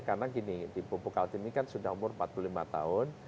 karena gini di pupuk altim ini kan sudah umur empat puluh lima tahun